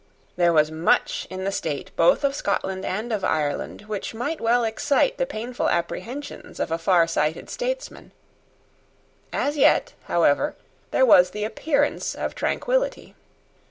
There was much in the state both of Scotland and of Ireland which might well excite the painful apprehensions of a farsighted statesman. As yet, however, there was the appearance of tranquillity.